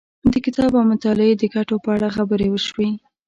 د کتاب او مطالعې د ګټو په اړه خبرې وشوې.